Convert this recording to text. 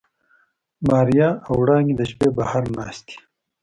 ماريا او وړانګې د شپې بهر ناستې.